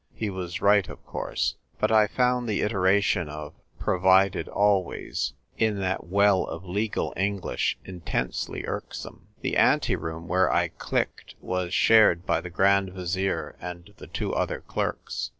He was right, of course ; but I found the iteration of " provided always " in that well of legal English intensely irksome. The anteroom where I clicked was shared by the Grand Vizier and the two other clerks.